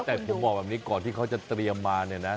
แต่ผมบอกแบบนี้ก่อนที่เขาจะเตรียมมาเนี่ยนะ